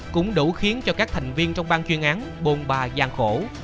cũng đủ khiến cho các thành viên trong ban chuyên án bồn bà gian khổ